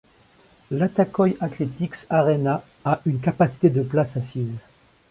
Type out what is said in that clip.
L'Ataköy Athletics Arena a une capacité de places assises.